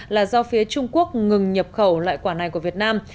là do phía trung quốc ngừng nhập khẩu loại quả này của việt nam